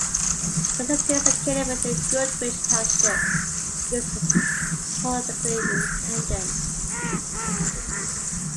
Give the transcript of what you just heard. The city is located within Goodridge Township, but is politically independent.